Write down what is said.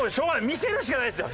見せるしかないですよ。